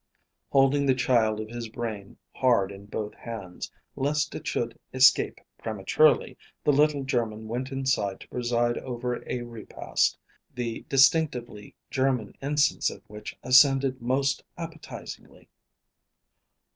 Holding the child of his brain hard in both hands lest it should escape prematurely, the little German went inside to preside over a repast, the distinctively German incense of which ascended most appetizingly.